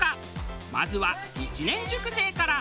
まずは１年熟成から。